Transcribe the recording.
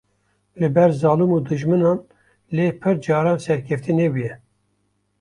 li ber zalim û dijminan lê pir caran serkeftî nebûye.